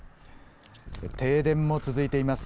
停電も続いています。